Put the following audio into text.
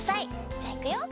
じゃあいくよ。